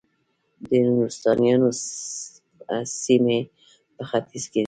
د نورستانیانو سیمې په ختیځ کې دي